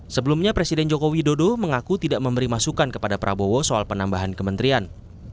sebelumnya presiden joko widodo mengaku tidak memberi masukan kepada prabowo soal penambahan kementerian